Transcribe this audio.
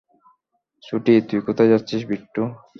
ছোটি, তুই কোথায় যাচ্ছিস বিট্টো?